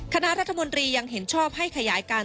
คณะรัฐมนตรียังเห็นชอบให้ขยายการ